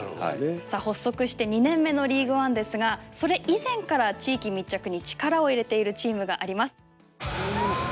さあ発足して２年目のリーグワンですがそれ以前から地域密着に力を入れているチームがあります。